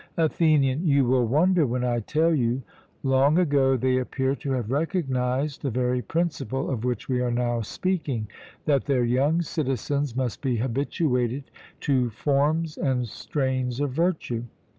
ATHENIAN: You will wonder when I tell you: Long ago they appear to have recognized the very principle of which we are now speaking that their young citizens must be habituated to forms and strains of virtue.